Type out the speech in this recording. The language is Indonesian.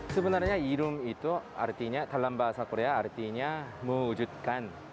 sebenarnya yerum itu artinya dalam bahasa korea artinya mewujudkan